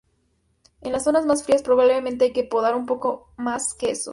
En las zonas más frías, probablemente hay que podar un poco más que eso.